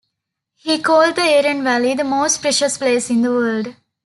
He called the Aeron valley the most precious place in the world.